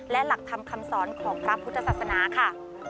และหลักธรรมคำสอนของพระพุทธศาสนาค่ะ